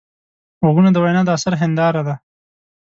غوږونه د وینا د اثر هنداره ده